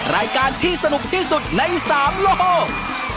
รายการที่สนุกที่สุดใน๓โลก